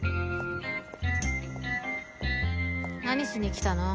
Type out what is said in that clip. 何しに来たの？